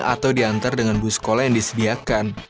atau diantar dengan bus sekolah yang disediakan